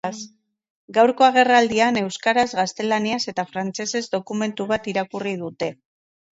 Gaurko agerraldian, euskaraz, gaztelaniaz eta frantsesez dokumentu bat irakurri dute.